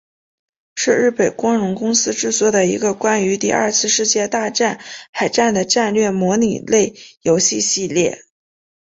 是日本光荣公司制作的一个关于第二次世界大战海战的战略模拟类游戏系列。